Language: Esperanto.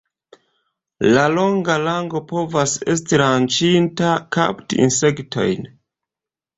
La longa lango povas esti lanĉita kapti insektojn.